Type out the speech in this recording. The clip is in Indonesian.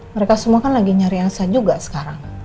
mereka semua kan lagi nyari angsa juga sekarang